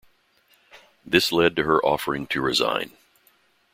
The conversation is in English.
This led to her offering to resign.